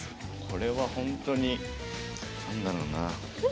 これはほんとに何だろうな。